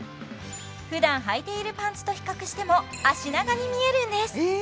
普段はいているパンツと比較しても脚長に見えるんですええ